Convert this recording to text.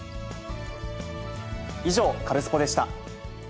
以上、カルスポっ！でした。